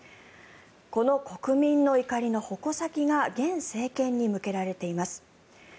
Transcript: この国民の怒りの矛先が現政権に向けられています。